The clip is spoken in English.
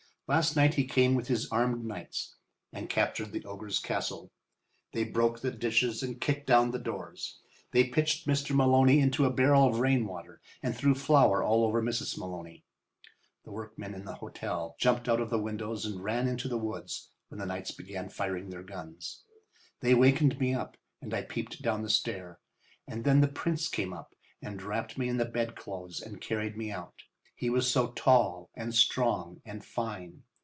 "Last night he came with his armed knights and captured the ogre's castle. They broke the dishes and kicked down the doors. They pitched Mr. Maloney into a barrel of rain water and threw flour all over Mrs. Maloney. The workmen in the hotel jumped out of the windows and ran into the woods when the knights began firing their guns. They wakened me up and I peeped down the stair. And then the Prince came up and wrapped me in the bedclothes and carried me out. He was so tall and strong and fine.